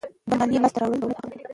د مالیې لاسته راوړل د دولت حق دی.